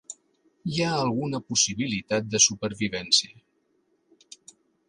Hi ha alguna possibilitat de supervivència.